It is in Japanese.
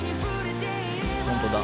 本当だ。